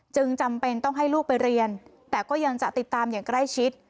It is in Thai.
จำเป็นต้องให้ลูกไปเรียนแต่ก็ยังจะติดตามอย่างใกล้ชิด